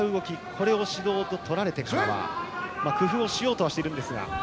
これを指導と取られてから工夫しようとしているんですが。